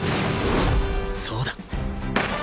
そうだ